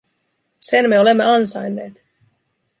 Sen me olemme ansainneet!